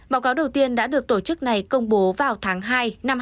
báo cáo đầu tiên đã được tổ chức này công bố vào tháng hai năm hai nghìn hai mươi